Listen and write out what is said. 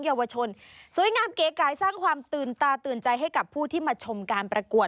เยาวชนสวยงามเก๋ไก่สร้างความตื่นตาตื่นใจให้กับผู้ที่มาชมการประกวด